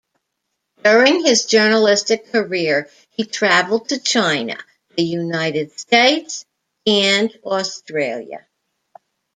During his journalistic career he travelled to China, the United States, and Australia.